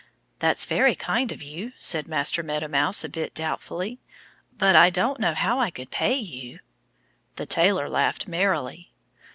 "That's very kind of you," said Master Meadow Mouse a bit doubtfully. "But I don't know how I could pay you." The tailor laughed merrily.